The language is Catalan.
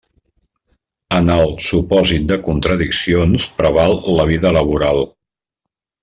En el supòsit de contradiccions preval la vida laboral.